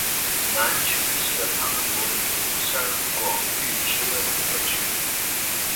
南区是韩国釜山广域市的一个区。